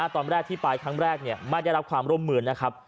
ตอนแรกที่ไปครั้งแรกไม่ได้รับความร่วมมือนะครับ